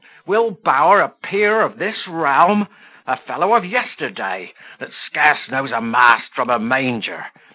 Will. Bower a peer of this realm! a fellow of yesterday, that scarce knows a mast from a manger!